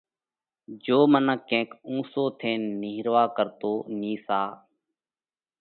جيو منک ڪينڪ اُنسو ٿينَ نِيهروا ڪرتو نيسا